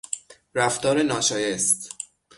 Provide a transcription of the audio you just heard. رفتار ناشایست